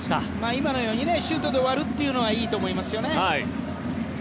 今のようにシュートで終わるというのはいいと思いますよね。